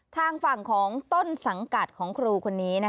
ทางฝั่งของต้นสังกัดของครูคนนี้